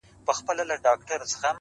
خپل مخ واړوې بل خواتــــه;